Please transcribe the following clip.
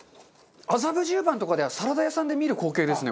麻布十番とかでサラダ屋さんで見る光景ですね